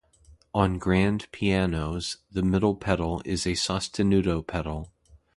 On grand pianos, the middle pedal is a sostenuto pedal.